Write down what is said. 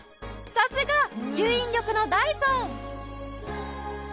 さすが吸引力のダイソン！